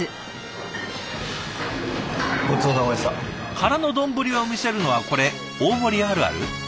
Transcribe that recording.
空の丼を見せるのはこれ大盛りあるある？